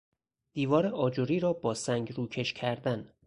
دیوار آجری را با سنگ روکش کردن